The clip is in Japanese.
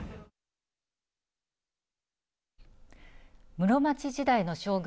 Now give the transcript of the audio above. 室町時代の将軍